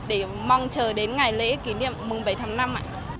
để mong chờ đến ngày lễ kỷ niệm mừng bảy mươi năm năm